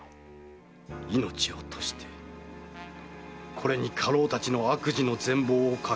「命を賭してこれに家老たちの悪事の全貌を書き記します」！